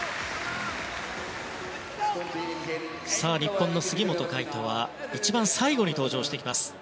さあ、日本の杉本海誉斗は一番最後に登場してきます。